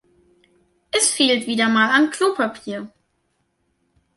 Es fehlt wieder mal an Klopapier.